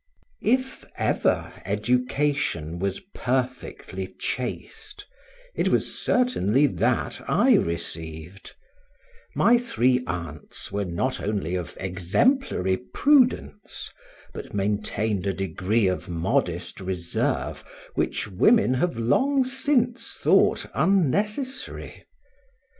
If ever education was perfectly chaste, it was certainly that I received; my three aunts were not only of exemplary prudence, but maintained a degree of modest reserve which women have long since thought unnecessary.